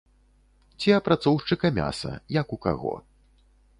Ці апрацоўшчыка мяса, як у каго.